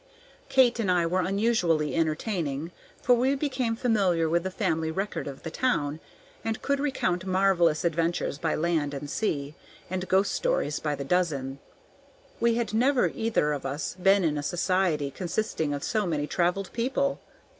Kate and I were unusually entertaining, for we became familiar with the family record of the town, and could recount marvellous adventures by land and sea, and ghost stories by the dozen. We had never either of us been in a society consisting of so many travelled people!